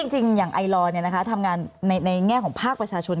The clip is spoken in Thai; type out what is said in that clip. จริงอย่างไอลอร์ทำงานในแง่ของภาคประชาชน